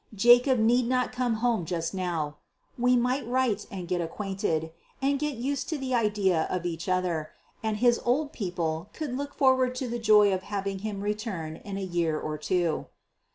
Jacob need not come home just now. We might write and get acquainted, and get used to the idea of each other, and his old people could look forward to the joy of having him return in a year or two.